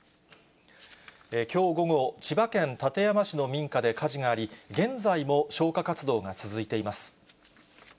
きょう午後、千葉県館山市の民家で火事があり、現在も消火活動が続いています。